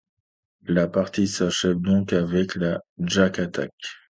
La partie s'achève donc avec la Jack Attack.